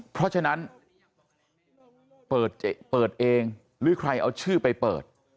เพราะฉะนั้นเปิดเองหรือใครเอาชื่อไปเปิด